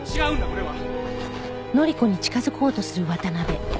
これは。